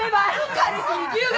彼氏に留学！